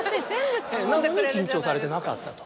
なのに緊張されてなかったと。